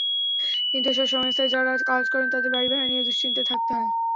কিন্তু এসব সংস্থায় যঁারা কাজ করেন, তাঁদের বাড়িভাড়া নিয়ে দুশ্চিন্তায় থাকতে হয়।